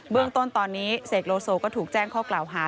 เรื่องต้นตอนนี้เสกโลโซก็ถูกแจ้งข้อกล่าวหา